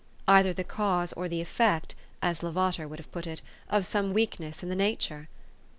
either the cause or the effect, as Lavater would have put it, of some weakness in the nature